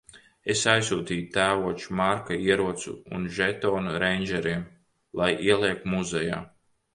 Es aizsūtīju tēvoča Marka ieroci un žetonu reindžeriem - lai ieliek muzejā.